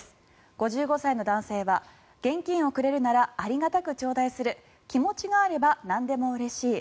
５５歳の男性は現金をくれるならありがたくちょうだいする気持ちがあればなんでもうれしい。